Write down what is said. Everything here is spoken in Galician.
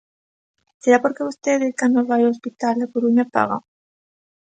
¿Será porque vostede cando vai ao hospital da Coruña paga?